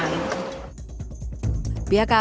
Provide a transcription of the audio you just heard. pihak kai menargetkan penguatan konstruksi jalur kereta